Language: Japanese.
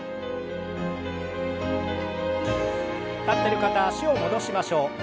立ってる方は脚を戻しましょう。